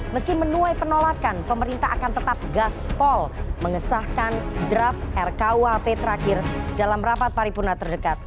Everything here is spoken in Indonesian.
meski menuai penolakan pemerintah akan tetap gaspol mengesahkan draft rkuhp terakhir dalam rapat paripurna terdekat